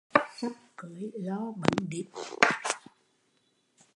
Sắp cưới lo bấn đít